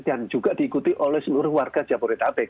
dan juga diikuti oleh seluruh warga jamboree tapek